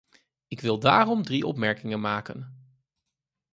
Ik wil daarom drie opmerkingen maken.